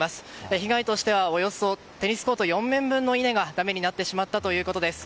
被害としてはおよそテニスコート４面分の稲がだめになってしまったということです。